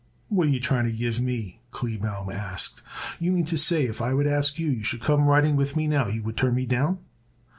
"What you trying to give me?" Kleebaum asked. "You mean to say if I would ask you you should come riding with me now, you would turn me down?"